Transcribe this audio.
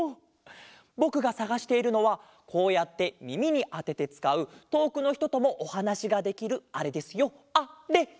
ぼくがさがしているのはこうやってみみにあててつかうとおくのひとともおはなしができるあれですよあれ！